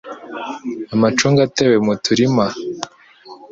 Amacunga atewe mu turima